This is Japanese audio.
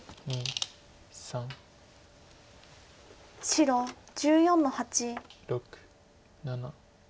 白１４の八。